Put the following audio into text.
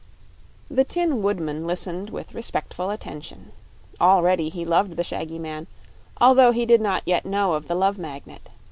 The Tin Woodman listened with respectful attention. Already he loved the shaggy man, although he did not yet know of the Love Magnet.